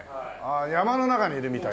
山の中にいるみたいな。